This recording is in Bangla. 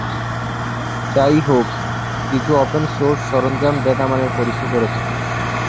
যাইহোক, কিছু ওপেন সোর্স সরঞ্জাম ডেটা মানের পরীক্ষা করে থাকে।